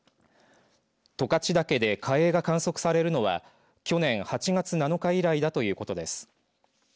十勝岳で火映が観測されるのは去年８月７日以来だということです。